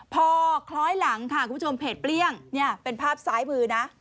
พอคล้อยหลังค่ะคุณผู้ชมเพจเปลี้ยงเนี่ยเป็นภาพซ้ายมือนะ